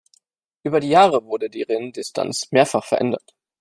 Über die Jahre wurde die Renndistanz mehrfach verändert.